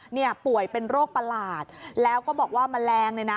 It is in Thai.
เนี่ยป่วยเป็นโรคประหลาดแล้วก็บอกว่าแมลงเนี่ยนะ